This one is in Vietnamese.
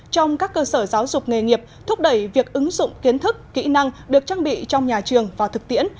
trong các cơ sở giáo dục nghề nghiệp thúc đẩy việc ứng dụng kiến thức kỹ năng được trang bị trong nhà trường vào thực tiễn